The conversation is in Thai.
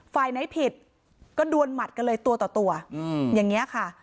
ฝ่ายไหนผิดก็ดวนหมัดกันเลยตัวต่อตัวอย่างนี้ค่ะ